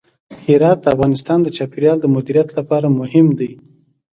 هرات د افغانستان د چاپیریال د مدیریت لپاره مهم دي.